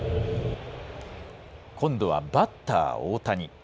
今度はバッター、大谷。